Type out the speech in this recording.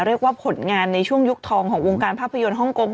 เรียกว่าผลงานในช่วงยุคทองของวงการภาพยนตร์ฮ่องกง